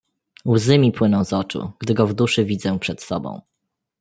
"Łzy mi płyną z oczu, gdy go w duszy widzę przed sobą."